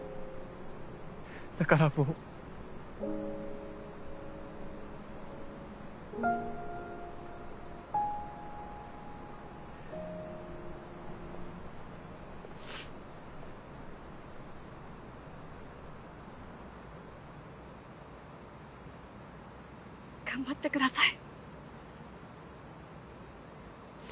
だからもう。頑張ってください。